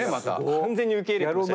完全に受け入れてました。